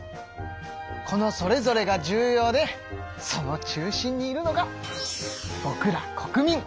このそれぞれが重要でその中心にいるのがぼくら国民。